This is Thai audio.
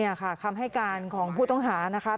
นี่ค่ะคำให้การของผู้ต้องหานะคะ